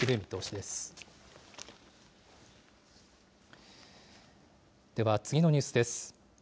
では次のニュースです。